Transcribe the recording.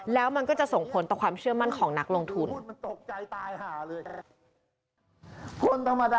แล้วมันก็จะส่งผลต่อความเชื่อมั่นของนักลงทุน